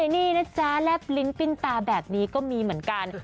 นี่นะจ๊ะแลบลิ้นปิ้นตาแบบนี้ก็มีเหมือนกัน